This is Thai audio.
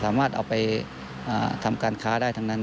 สามารถเอาไปทำการค้าได้ทั้งนั้น